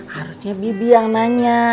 harusnya bibi yang nanya